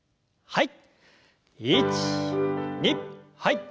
はい。